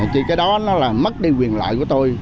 thì cái đó nó là mất đi quyền lợi của tôi